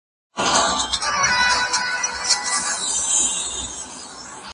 زه به سبا سفر کوم!؟